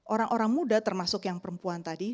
orang orang muda termasuk yang perempuan tadi